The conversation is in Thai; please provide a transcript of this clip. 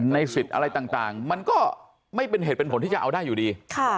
สิทธิ์อะไรต่างมันก็ไม่เป็นเหตุเป็นผลที่จะเอาได้อยู่ดี